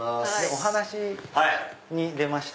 お話に出ました